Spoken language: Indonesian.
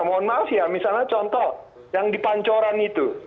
mohon maaf ya misalnya contoh yang dipancoran itu